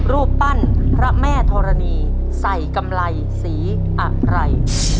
รูปปั้นพระแม่ธรณีใส่กำไรสีอะไร